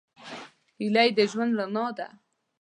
هیلې د ژوند رڼا ده.